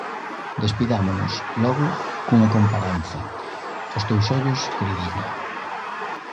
Despidámonos, logo, cunha comparanza: Os teus ollos, queridiña.